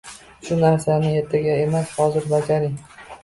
Shu narsani ertaga emas, hozir bajaring.